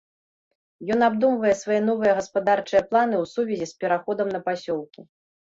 Ён абдумвае свае новыя гаспадарчыя планы ў сувязі з пераходам на пасёлкі.